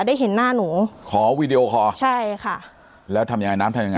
ได้เห็นหน้าหนูขอวีดีโอคอร์ใช่ค่ะแล้วทำยังไงน้ำทำยังไง